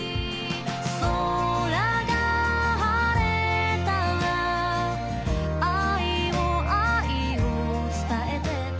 「空が晴れたら愛を、愛を伝えて」